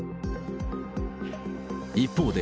一方で、